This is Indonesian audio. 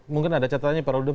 mungkin ada catatannya para udham